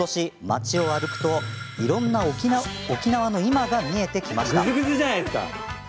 町を歩くと、いろんな沖縄の今が見えてきました。